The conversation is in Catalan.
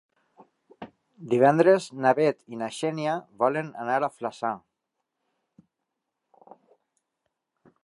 Divendres na Bet i na Xènia volen anar a Flaçà.